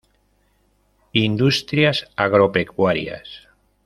Industrias agropecuarias.